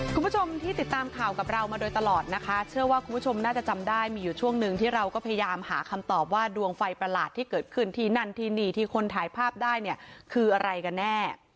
คุณผู้ชมที่ติดตามข่าวกับเรามาโดยตลอดนะคะเชื่อว่าคุณผู้ชมน่าจะจำได้มีอยู่ช่วงหนึ่งที่เราก็พยายามหาคำตอบว่าดวงไฟประหลาดที่เกิดขึ้นที่นั่นที่นี่ที่คนถ่ายภาพได้เนี่ยคืออะไรกันแน่